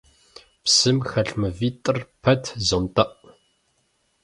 Псым хэлъ мывитӀрэ пэт зонтӀэӀу.